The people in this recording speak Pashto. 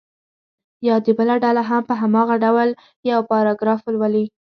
بیا دې بله ډله هم په هماغه ډول یو پاراګراف ولولي.